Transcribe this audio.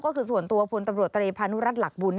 ก็คือส่วนตัวพลตำรวจตรีพานุรัติหลักบุญ